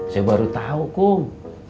saya baru tahu kum